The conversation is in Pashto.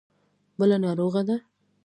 بله ناروغه ده.